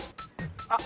あっ！